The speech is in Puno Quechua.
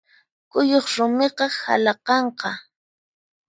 Kuyuq rumiqa halaqanqa.